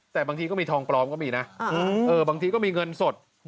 แต่บางครั้งก็มีทองปลอมบางครั้งก็มีเงินสด